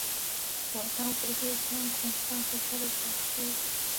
火珊瑚是千孔珊瑚科的水螅。